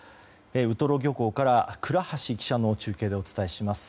ウトロ漁港から倉橋記者の中継でお伝えします。